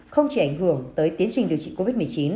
không chỉ ảnh hưởng tới tiến trình điều trị covid một mươi chín